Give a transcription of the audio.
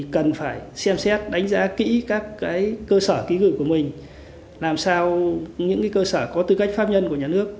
cần phải xem xét đánh giá kỹ các cơ sở ký gửi của mình làm sao những cơ sở có tư cách pháp nhân của nhà nước